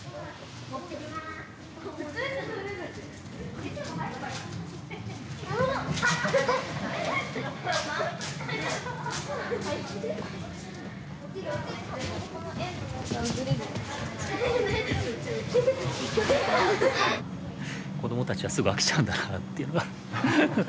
子どもたちはすぐ飽きちゃうんだなっていう。